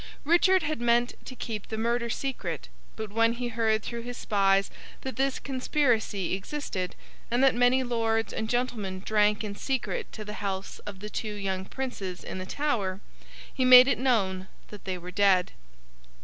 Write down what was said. Richard had meant to keep the murder secret; but when he heard through his spies that this conspiracy existed, and that many lords and gentlemen drank in secret to the healths of the two young princes in the Tower, he made it known that they were dead.